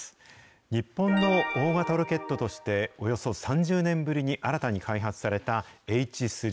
日本の大型ロケットとして、およそ３０年ぶりに新たに開発された、Ｈ３。